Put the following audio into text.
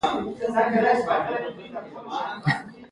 په خپل لاس کار کول عزت دی.